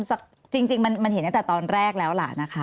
อันนี้ค่ะคุณผู้ชมจริงมันเห็นตั้งแต่ตอนแรกแล้วล่ะนะคะ